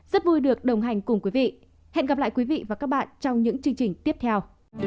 rất vui được đồng hành cùng quý vị hẹn gặp lại quý vị và các bạn trong những chương trình tiếp theo